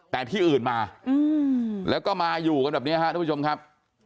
แต่ที่อื่นมาแล้วก็มาอยู่กันแบบนี้ครับทุกผู้ชมครับ